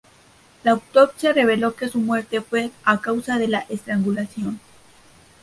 La autopsia reveló que su muerte fue a causa de la estrangulación.